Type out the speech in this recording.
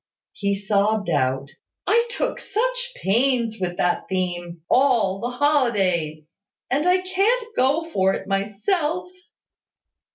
He sobbed out, "I took such pains with that theme, all the holidays! And I can't go for it myself."